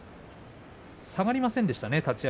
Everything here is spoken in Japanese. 下がりませんでしたね。